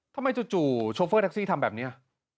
ทำไมจู่ชอเฟอร์แท็กซี่ทำแบบเนี้ย